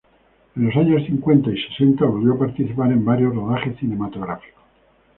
En los años cincuenta y sesenta volvió a participar en varios rodajes cinematográficos.